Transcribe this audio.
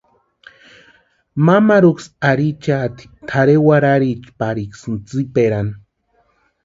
Mamaruksïni arhichiati tʼarhe warhariecha pariksï tsiperani.